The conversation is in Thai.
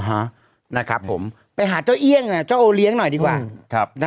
ฮะนะครับผมไปหาเจ้าเอี่ยงเจ้าโอเลี้ยงหน่อยดีกว่าครับนะ